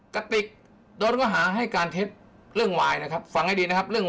กระติกโดนว่าหาให้การเท็จเรื่องวายนะครับฟังให้ดีนะครับ